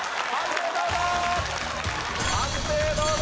判定どうぞ！